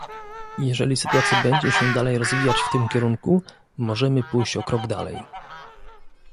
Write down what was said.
Jeżeli sytuacja będzie się dalej rozwijać w tym kierunku, możemy pójść o krok dalej